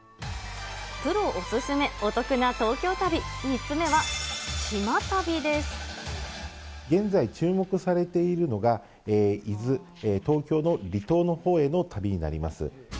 プロお勧め、お得な東京旅、現在注目されているのが、伊豆、東京の離島のほうへの旅になります。